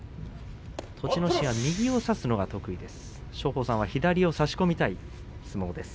栃ノ心、右を差すのが得意です。